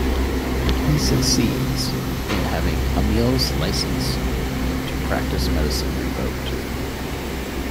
He succeeds in having Amlie's license to practice medicine revoked.